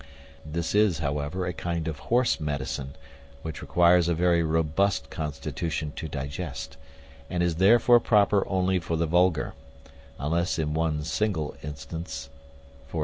This is, however, a kind of horse medicine, which requires a very robust constitution to digest, and is therefore proper only for the vulgar, unless in one single instance, viz.